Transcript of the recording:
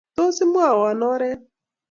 Tos, imwowo oret?